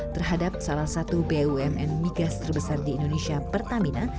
terhadap salah satu bumn migas terbesar di indonesia pertamina